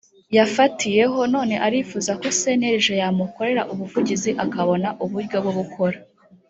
yafatiyeho none arifuza ko cnlg yamukorera ubuvugizi akabona uburyo bwo gukora